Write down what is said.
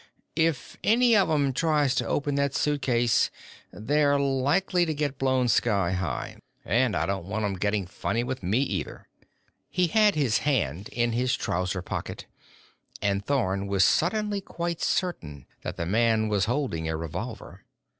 "If any of 'em tries to open that suitcase, they're likely to get blown sky high. And I don't want 'em getting funny with me, either." He had his hand in his trouser pocket, and Thorn was suddenly quite certain that the man was holding a revolver.